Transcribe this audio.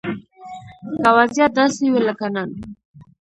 که وضيعت داسې وي لکه نن